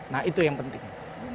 nah itu yang penting